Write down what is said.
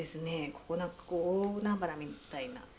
ここなんか大海原みたいな。